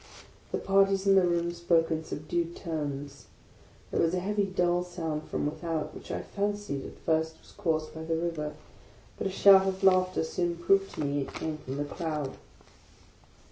The parties in the room spoke in subdued tones. There was a heavy dull sound from without, which I fancied at first was caused by the river; but a shout of laughter soon proved to me it came from the crowd.